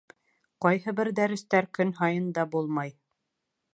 Ҡайһы бер дәрестәр көн һайын да булмай.